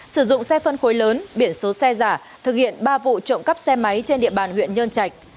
sử dụng xe phân khối lớn biển số xe giả thực hiện ba vụ trộm cắp xe máy trên địa bàn huyện nhơn trạch